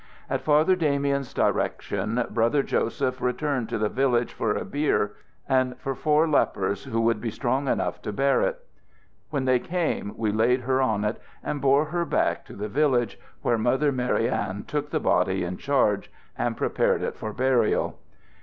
"At Father Damien's direction Brother Joseph returned to the village for a bier and for four lepers who should be strong enough to bear it. When they came we laid her on it, and bore her back to the village, where Mother Marianne took the body in charge and prepared it for burial.